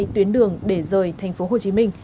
hai tuyến đường để rời tp hcm